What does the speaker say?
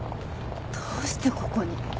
どうしてここに？